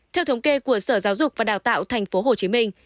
theo thống kê của sở giáo dục và đào tạo tp hcm